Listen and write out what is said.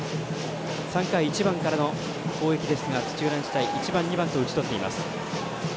３回、１番からの攻撃ですが土浦日大、１番、２番と打ちとっています。